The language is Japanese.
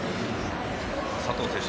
佐藤選手